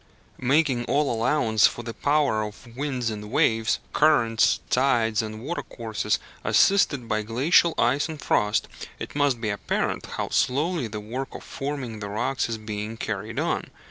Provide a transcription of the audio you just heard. Making all allowance for the power of winds and waves, currents, tides, and watercourses, assisted by glacial ice and frost, it must be apparent how slowly the work of forming the rocks is being carried on.